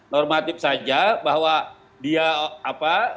normatif saja bahwa dia apa